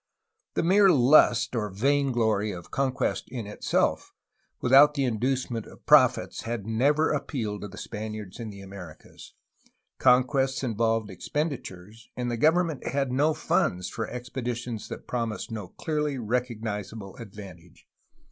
The mere lust, or vain glory, of conquest in itself, without the inducement of profits, had never appealed to the Span iards in the Americas. Conquests involved expenditures, and the government had no funds for expeditions that promised no clearly recognizable advantage.